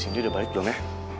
si sindy udah balik belum ya